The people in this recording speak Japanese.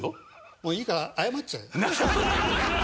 もういいから謝っちゃえよ。